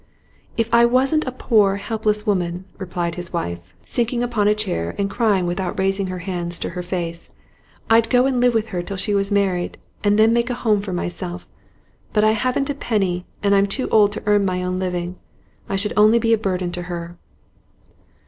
'If I wasn't a poor, helpless woman,' replied his wife, sinking upon a chair and crying without raising her hands to her face, 'I'd go and live with her till she was married, and then make a home for myself. But I haven't a penny, and I'm too old to earn my own living; I should only be a burden to her.